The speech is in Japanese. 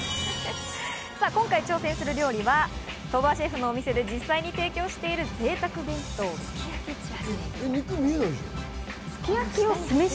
今回挑戦する料理は鳥羽シェフのお店で実際に提供しているぜいたく弁当、すき焼きちらし。